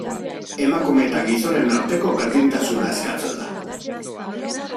Emakume eta gizonen arteko berdintasuna eskatzen da.